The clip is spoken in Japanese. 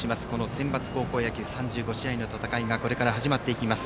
センバツ高校野球３５試合の戦いがこれから始まっていきます。